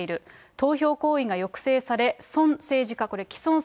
投票行為が抑制され、存政治家、これ、きそん